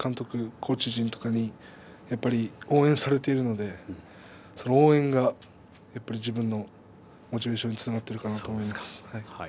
コーチ陣とかに応援されているのでその応援が自分のモチベーションにつながっているかなと思います。